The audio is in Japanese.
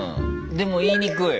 でも言いにくい。